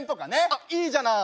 あっいいじゃない！